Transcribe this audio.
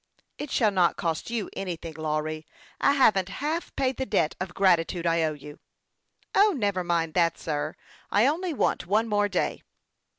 " It shall not cost you anything, Lawry. I haven't half paid the debt of gratitude I owe you." " O, never mind that, sir ! I only want one more day."